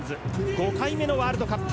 ５回目のワールドカップ。